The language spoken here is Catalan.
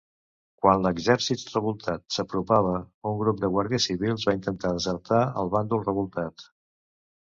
Quan l'exèrcit revoltat s'apropava, un grup de guàrdies civils va intentar desertar al bàndol revoltat.